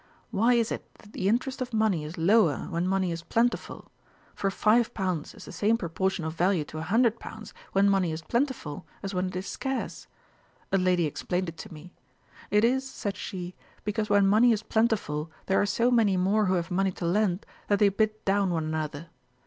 Why is it that the interest of money is lower, when money is plentiful; for five pounds has the same proportion of value to a hundred pounds when money is plentiful, as when it is scarce? A lady explained it to me. "It is (said she) because when money is plentiful there are so many more who have money to lend, that they bid down one another.